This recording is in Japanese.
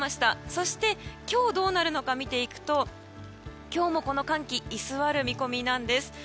そして、今日どうなるのか見ていくと今日もこの寒気が居座る見込みです。